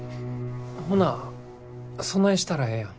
ほなそないしたらええやん。